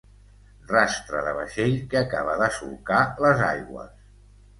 Rastre de vaixell que acaba de solcar les aigües.